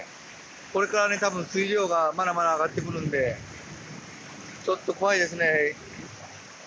これからたぶん水量が、まだまだ上がってくるんで、ちょっと怖いですね。